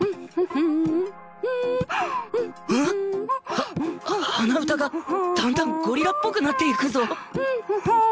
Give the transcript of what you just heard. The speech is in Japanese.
は鼻歌がだんだんゴリラっぽくなっていくぞ！